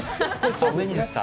上にですか。